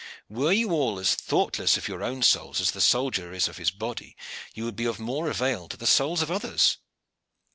Were ye all as thoughtless of your own souls as the soldier is of his body, ye would be of more avail to the souls of others."